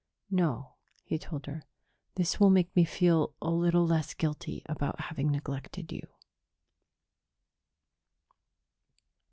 "No," he told her. "This will make me feel a little less guilty about having neglected you."